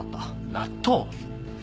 納豆？